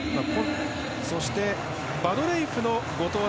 そして、バドレイフの５投目。